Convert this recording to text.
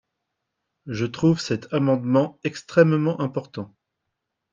Je trouve cet amendement extrêmement important.